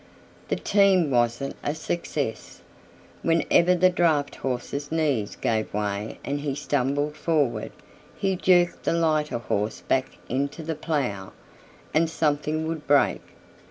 The team wasn't a success. Whenever the draught horse's knees gave way and he stumbled forward, he jerked the lighter horse back into the plough, and something would break.